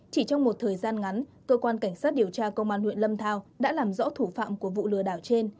chỉ trong một thời gian ngắn cơ quan cảnh sát điều tra công an huyện lâm thao đã làm rõ thủ phạm của vụ lừa đảo trên